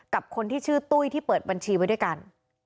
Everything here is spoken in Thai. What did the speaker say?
กับคนที่ชื่อตุ้ยที่เปิดบัญชีไว้ด้วยกัน